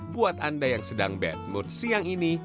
buat anda yang sedang bad mood siang ini